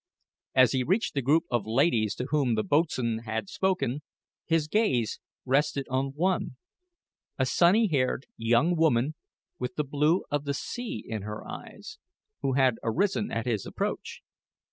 As he reached the group of ladies to whom the boatswain had spoken, his gaze rested on one a sunny haired young woman with the blue of the sea in her eyes who had arisen at his approach.